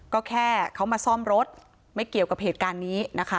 ก็แค่เขามาซ่อมรถไม่เกี่ยวกับเหตุการณ์นี้นะคะ